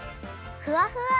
ふわふわ！